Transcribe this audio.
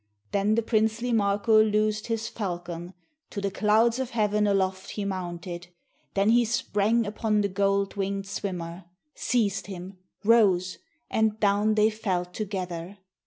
Then the princely Marko loosed his falcon ; To the clouds of heaven aloft he mounted; Then he sprang upon the gold wing'd swimmer — Seized him — rose — and down they fell together.